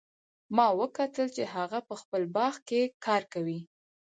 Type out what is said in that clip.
ما وکتل چې هغه په خپل باغ کې کار کوي